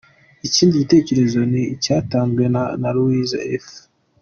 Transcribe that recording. Ikindi gitekerezo ni icyatanzwe na Louisa E.